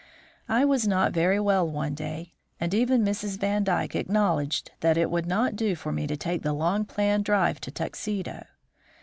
I was not very well one day, and even Mrs. Vandyke acknowledged that it would not do for me to take the long planned drive to Tuxedo.